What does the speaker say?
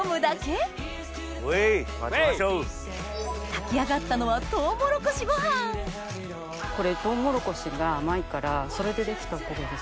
炊き上がったのはこれトウモロコシが甘いからそれで出来たお焦げです。